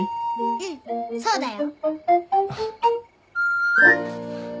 うんそうだよ。